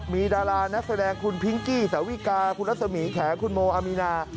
มีดารานักแสดงคุณพิงกี้สาวิกาคุณรัศมีแขคุณโมอามีนา